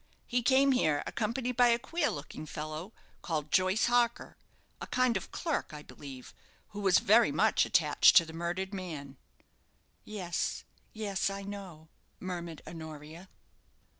He came here, accompanied by a queer looking fellow, called Joyce Harker a kind of clerk, I believe who was very much attached to the murdered man." "Yes yes, I know," murmured Honoria.